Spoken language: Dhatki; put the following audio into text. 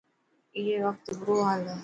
اي وقت برو هال هي.